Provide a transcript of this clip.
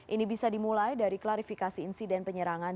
ini bisa dimulai dari klarifikasi insiden penyerangan